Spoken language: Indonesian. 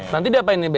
nanti diapain nih be